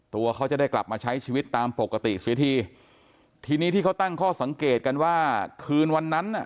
ตัวเขาจะได้กลับมาใช้ชีวิตตามปกติเสียทีทีนี้ที่เขาตั้งข้อสังเกตกันว่าคืนวันนั้นน่ะ